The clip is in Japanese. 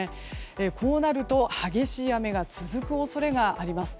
こうなると、激しい雨が続く恐れがあります。